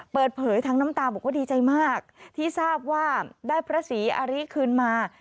เปิดเผยทั้งน้ำตาบอกว่าดีใจมากที่ทราบว่าได้พระศรีอาริคืนมา